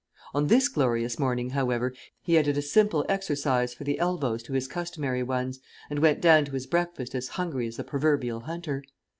On this glorious morning, however, he added a simple exercise for the elbows to his customary ones, and went down to his breakfast as hungry as the proverbial hunter.